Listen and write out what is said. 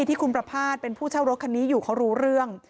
ที่คุณประภาษณ์เป็นผู้เช่ารถคันนี้อยู่เขารู้เรื่อง